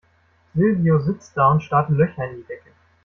Silvio sitzt da und starrt Löcher in die Decke.